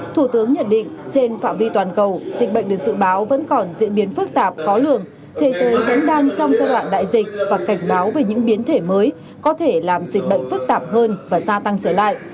thủ tướng nhận định trên phạm vi toàn cầu dịch bệnh được dự báo vẫn còn diễn biến phức tạp khó lường thế giới vẫn đang trong giai đoạn đại dịch và cảnh báo về những biến thể mới có thể làm dịch bệnh phức tạp hơn và gia tăng trở lại